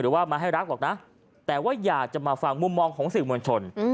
ว่ามาให้รักหรอกนะแต่ว่าอยากจะมาฟังมุมมองของสื่อมวลชน